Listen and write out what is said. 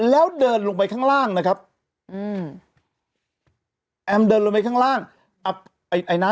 แล้วเดินลงไปข้างล่างนะครับอืมแอมเดินลงไปข้างล่างอับไอ้ไอนะ